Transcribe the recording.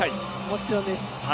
もちろんです。